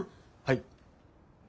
はい。